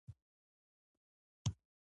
هلته یو ډیر لوی دیو اوسیده.